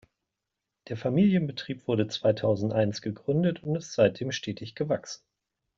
Der Familienbetrieb wurde zweitausendeins gegründet und ist seitdem stetig gewachsen.